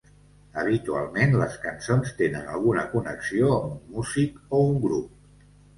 Habitualment les cançons tenen alguna connexió amb un músic o un grup.